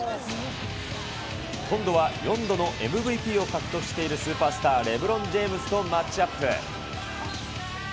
今度は４度のＭＶＰを獲得しているスーパースター、レブロン・ジェームズとマッチアップ。